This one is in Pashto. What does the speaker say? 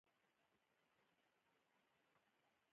د بقا جګړه هغه یوازینۍ جګړه ده چي جنګیالی یې هیڅکله نه ماتیږي